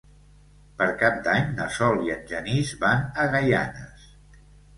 Per Cap d'Any na Sol i en Genís van a Gaianes.